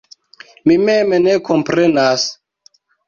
Mi mem ne komprenas.